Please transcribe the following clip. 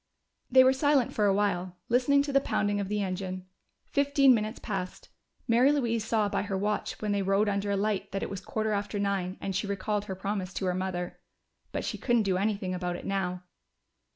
They were silent for a while, listening to the pounding of the engine. Fifteen minutes passed; Mary Louise saw by her watch when they rode under a light that it was quarter after nine, and she recalled her promise to her mother. But she couldn't do anything about it now.